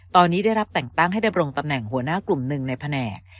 ตอนนี้ได้รับแต่งตั้งให้ดำรงตำแหน่งหัวหน้ากลุ่มหนึ่งในแผนก